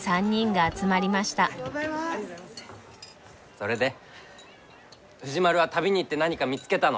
それで藤丸は旅に行って何か見つけたの？